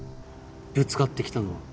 ぶつかってきたのは。